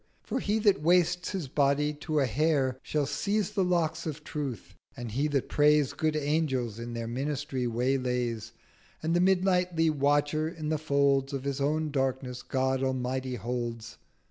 1240 For he that wastes his body to a Hair Shall seize the Locks of Truth: and He that prays Good Angels in their Ministry waylays: And the Midnightly Watcher in the Folds Of his own Darkness God Almighty holds.